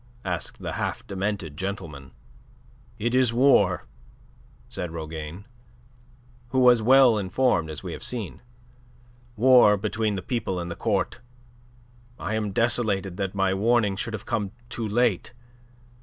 asked the half demented gentleman. "It is war," said Rougane, who was well informed, as we have seen. "War between the people and the Court. I am desolated that my warning should have come too late.